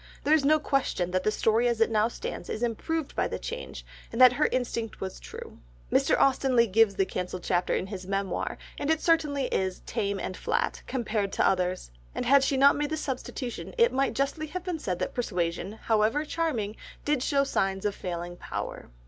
There is no question that the story as it now stands is improved by the change, and that her instinct was true. Mr. Austen Leigh gives the cancelled chapter in his Memoir, and it certainly is "tame and flat" compared with the others, and had she not made the substitution it might justly have been said that Persuasion, however charming, did show signs of failing power.